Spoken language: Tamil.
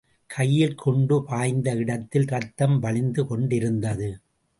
கையில் குண்டு பாய்ந்த இடத்தில் ரத்தம் வழிந்து கொண்டிருந்தது.